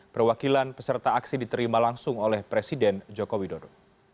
perwakilan peserta aksi diterima langsung oleh presiden joko widodo